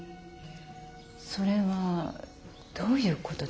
それはどういうことですか？